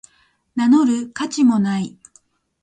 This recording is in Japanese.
名乗る価値もない